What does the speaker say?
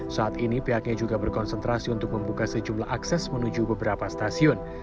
saat ini pihaknya juga berkonsentrasi untuk membuka sejumlah akses menuju beberapa stasiun